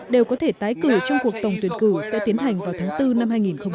đều có thể tái cử trong cuộc tổng tuyển cử sẽ tiến hành vào tháng bốn năm hai nghìn hai mươi